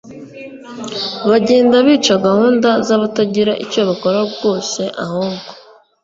bagenda bica gahunda c batagira icyo bakora rwose ahubwo